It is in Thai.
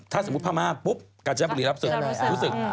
ถ้าสมมุติพม่าปุ๊บกาญจนบุรีรับศึกรู้สึก